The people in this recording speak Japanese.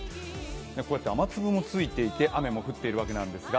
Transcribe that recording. こうやって雨粒もついていて、雨も降っているわけなんですが。